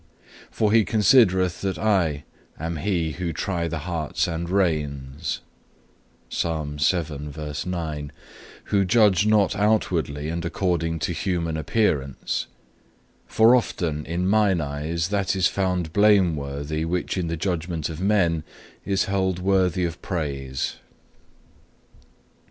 For he considereth that I am He who try the hearts and reins,(3) who judge not outwardly and according to human appearance; for often in Mine eyes that is found blameworthy which in the judgment of men is held worthy of praise."